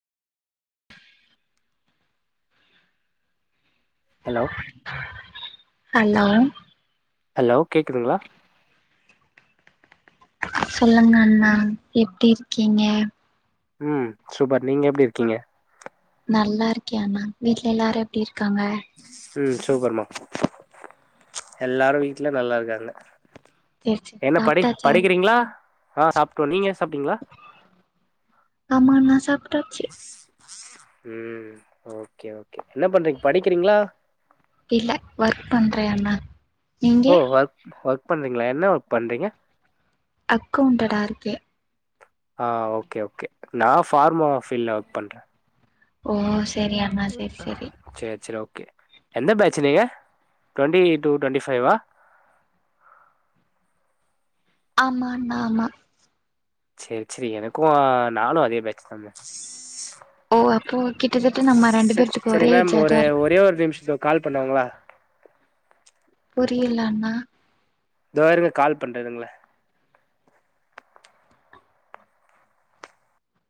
Hello hello hello கேக்குதுங்ளா? சொல்லுங்க அண்ணா எப்டி இருக்கீங்க? ம் சூப்பர் நீங்க எப்டி இருக்கீங்க? நல்லாருக்கே அண்ணா வீட்ல எல்லாரு எப்டி இரு க்காங்க? ம் சூப்பர்மா எல்லாரு வீட்ல நல்லாருக்காங்க சேரி சேரி என்ன படி சாப்ட்டாச்சா படிக்கிறீங்ளா? ஆ சாப்ட்டோ நீங்க சாப்டிங்ளா? ஆமாண்ணா சாப் டாச்சு ம் ஓகே ஓகே என்ன பண்றீங்க படிக்கிறீங்ளா? இல்ல ஒர்க் பண்றே அண்ணா நீங்க ஓ ஒர்க் ஒர்க் பண்றீங்ளா என்ன ஒர்க் பண்றீங்க? அக்கவுண்டடா இருக்கே ஆ ஓகே ஓகே நா ஃபார்மா ஃபீல்ட்ல ஒர்க் பண்றே ஓ சேரி அண்ணா செரி செரி கே எந்த பேட்சு நீங்க ட்வென்ட்டி டு ட்வென்ட்டி ஃபைவா ஆமாண்ணா ஆமா சேர் செரி எனக்கு நானு அதே பேட்ச் தாம்மா ஓ அப்போ கிட்டத்தட்ட நம்ம ரெண்டு பேர்த்துக்கு சரி ஒரே மேம் ஒரு ஏஜாதா இருக்கு ஒரே ஒரு நிமிஷத்துக்கு கால் பண்ணுவாங்களா புரியிலண்ணா தொ இருங்க கால் பண்றெ இருங்ளே